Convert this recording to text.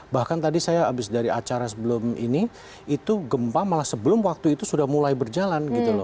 bahkan tadi saya habis dari acara sebelum ini itu gempa malah sebelum waktu itu sudah mulai berjalan gitu loh